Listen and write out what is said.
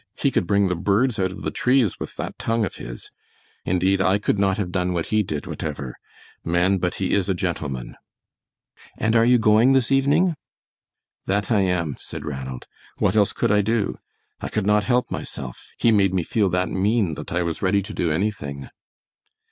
"He could bring the birds out of the trees with that tongue of his. Indeed, I could not have done what he did whatever. Man, but he is a gentleman!" "And are you going this evening?" "That I am," said Ranald. "What else could I do? I could not help myself; he made me feel that mean that I was ready to do anything."